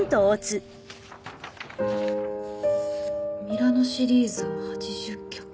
ミラノシリーズを８０客。